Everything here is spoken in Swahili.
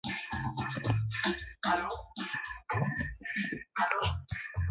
Kwamba wapiganaji wanaoaminika kuwa wanachama wa Majeshi ya demokrasia washirika.